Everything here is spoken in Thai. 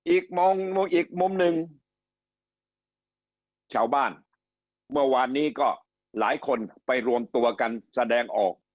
อีกมุมหนึ่งชาวบ้านเมื่อวานนี้ก็หลายคนไปรวมตัวกันแสดงออก